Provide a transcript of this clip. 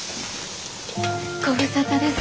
ご無沙汰です